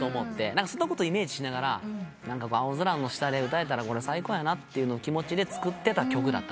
そんなことイメージしながら青空の下で歌えたら最高やなって気持ちで作ってた曲だった。